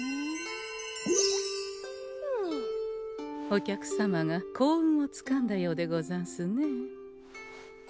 お客様が幸運をつかんだようでござんすね。